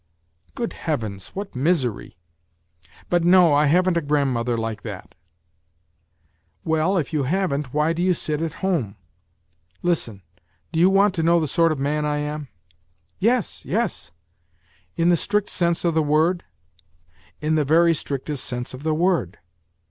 ..."" Good Heavens ! what misery ! But no, I haven't a grand mother like that." " Well, if you haven't why do you sit at home ?..."" Listen, do you want to know the sort of man I am ?";' Yes, yes !"" In the strict sense of the word ?"" In the very strictest sense of the word."